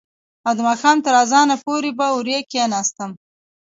او د ماښام تر اذانه پورې به هورې کښېناستم.